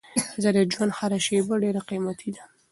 د ژوند هره شېبه ډېره قیمتي ده.